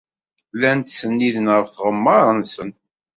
Llan ttsenniden ɣef tɣemmar-nsen.